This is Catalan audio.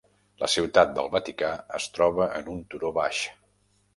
La Ciutat del Vaticà es troba en un turó baix.